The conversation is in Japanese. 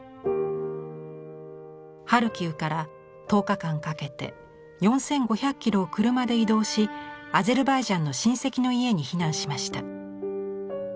ハルキウから１０日間かけて４５００キロを車で移動しアゼルバイジャンの親戚の家に避難しました。